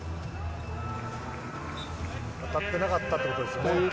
当たっていなかったということですね。